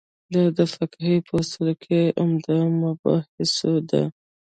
دا د فقهې په اصولو کې عمده مباحثو ده.